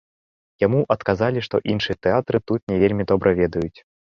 Яму адказалі, што іншыя тэатры тут не вельмі добра ведаюць.